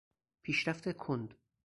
پیشرفت کند